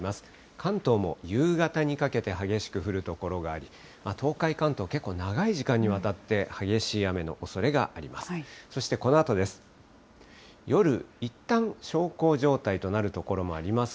関東も夕方にかけて、激しく降る所があり、東海、関東、結構長い時間にわたって、激しい雨のおそれがあります。